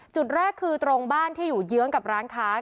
จุดแรกคือตรงบ้านที่อยู่เยื้องกับร้านค้า